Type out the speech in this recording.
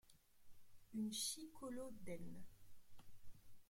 Une Chikolodenn.